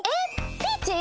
ピーチー？